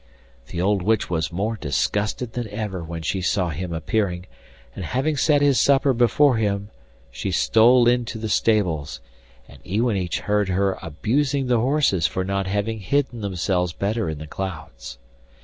The old witch was more disgusted than ever when she saw him appearing, and having set his supper before him she stole into the stables, and Iwanich heard her abusing the horses for not having hidden themselves better in the clouds.